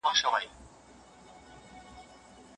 مهرباني وکړئ د تېرو پېښو په اړه معلومات راټول کړئ.